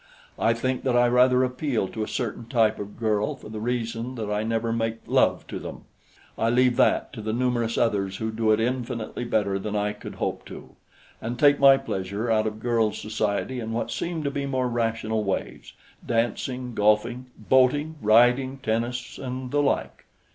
I think that I rather appeal to a certain type of girl for the reason that I never make love to them; I leave that to the numerous others who do it infinitely better than I could hope to, and take my pleasure out of girls' society in what seem to be more rational ways dancing, golfing, boating, riding, tennis, and the like.